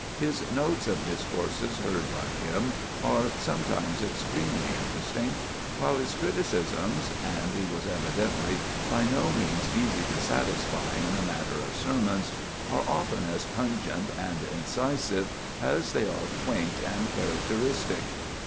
His notes of discourses heard by him are sometimes extremely interesting; while his criticisms—and he was evidently by no means easy to satisfy in the matter of sermons—are often as pungent and incisive as they are quaint and characteristic.